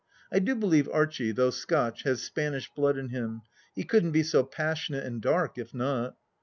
I do believe Archie, though Scotch, has Spanish blood in him ; he couldn't be so passionate and dark, if not.